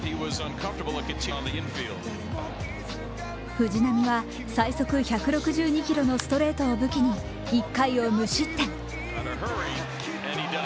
藤浪は最速１６２キロのストレートを武器に１回を無失点。